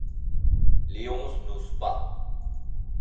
Léonce n’ose pas.